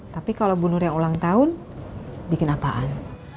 tapi kalau bunur yang ulang tahun bikin apaan